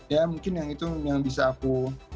ya mungkin yang itu yang bisa aku